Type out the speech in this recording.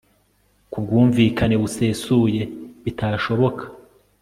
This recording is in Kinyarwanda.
ku bwumvikane busesuye bitashoboka